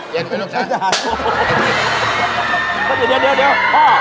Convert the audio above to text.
เดี๋ยวเดี๋ยว